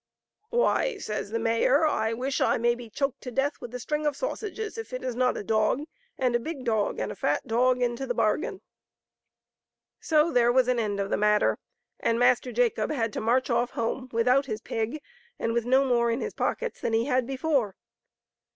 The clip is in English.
" Why,'* says the mayor, " I wish I may be choked to death with a string of sausages if it is not a dog, and a big dog and a fat dog into the bargain. So there was an end of the matter, and Master Jacob had to march off home without his pig and with no more in his pockets than he had before.